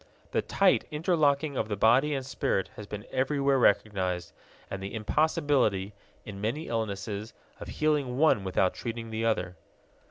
The tight interlocking of the body and spirit has been everywhere recognized, and the impossibility, in many illnesses, of healing one without treating the other.